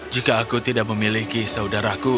jika aku tidak memiliki saudara ku